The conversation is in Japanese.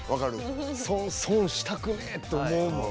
損したくねえって思うもん。